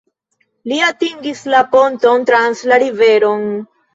Li atingis la ponton trans la riveron.